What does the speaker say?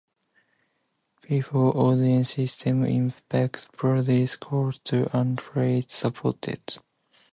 Typical autoload systems intercept procedure calls to undefined subroutines.